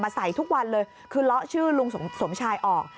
ใส่ทุกวันเลยคือเลาะชื่อลุงสมชายออก